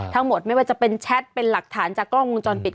ทั้งหมดไม่ว่าจะเป็นแชทเป็นหลักฐานจากกล้องมือจอนปิด